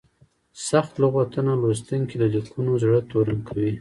سخت لغتونه لوستونکي له لیکنو زړه تورن کوي.